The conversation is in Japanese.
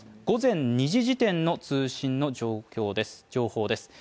午前２時時点の通信の状況です。